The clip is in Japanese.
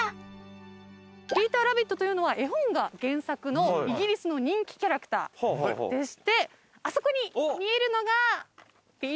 ピーターラビットというのは絵本が原作のイギリスの人気キャラクターでしてあそこに見えるのがピーターラビットです。